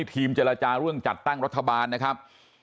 ทีมเจรจาเรื่องจัดตั้งรัฐบาลนะครับ